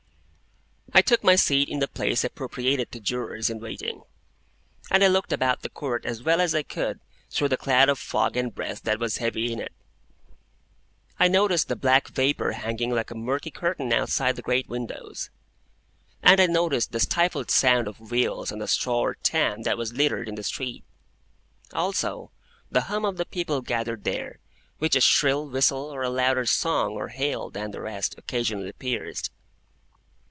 I took my seat in the place appropriated to Jurors in waiting, and I looked about the Court as well as I could through the cloud of fog and breath that was heavy in it. I noticed the black vapour hanging like a murky curtain outside the great windows, and I noticed the stifled sound of wheels on the straw or tan that was littered in the street; also, the hum of the people gathered there, which a shrill whistle, or a louder song or hail than the rest, occasionally pierced.